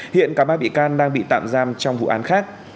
hiện cả ba bị can đang bị tạm giam trong vụ án khác